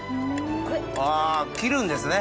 あ切るんですね